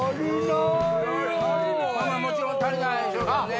もちろん足りないでしょうけどね。